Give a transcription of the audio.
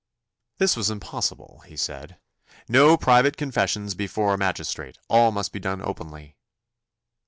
This was impossible, he said "No private confessions before a magistrate! All must be done openly."